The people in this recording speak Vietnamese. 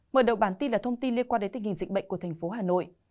mở đầu bản tin là thông tin liên quan đến tình hình dịch bệnh của thành phố hà nội